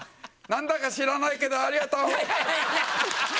なんだか知らないけどありがとう。